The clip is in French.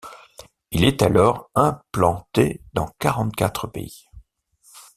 Il est alors implanté dans quarante-quatre pays.